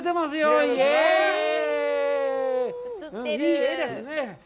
いいですね。